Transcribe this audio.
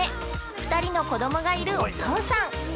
２人の子供がいるお父さん。